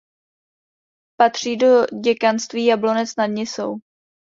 Patří do děkanství Jablonec nad Nisou.